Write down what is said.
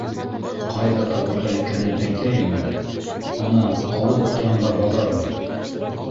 Ҡайҙан табырға икәнен әйтәйемме? Ана, ауыл уртаһында баҙар бар.